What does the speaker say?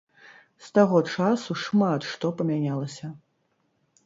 З таго часу шмат што памянялася.